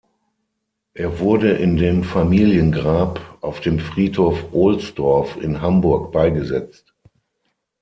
Er wurde in dem Familiengrab auf dem Friedhof Ohlsdorf in Hamburg beigesetzt.